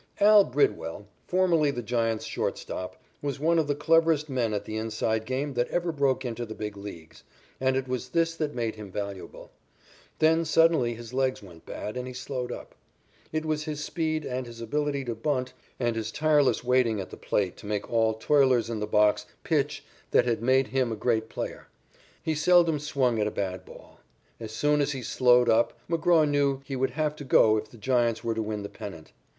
"Al" Bridwell, formerly the Giants' shortstop, was one of the cleverest men at the "inside" game that ever broke into the Big Leagues, and it was this that made him valuable. Then suddenly his legs went bad, and he slowed up. It was his speed and his ability to bunt and his tireless waiting at the plate to make all toilers in the box pitch that had made him a great player. He seldom swung at a bad ball. As soon as he slowed up, McGraw knew he would have to go if the Giants were to win the pennant.